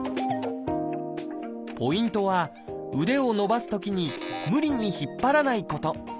ポイントは腕を伸ばすときに無理に引っ張らないこと。